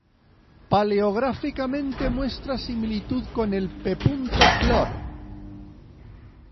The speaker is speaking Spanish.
Paleográficamente muestra similitud con el P. Flor.